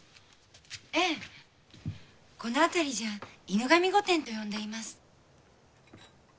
ええこのあたりじゃ犬神御殿と呼んでいます。